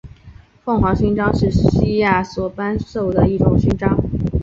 凤凰勋章是希腊所颁授的一种勋章。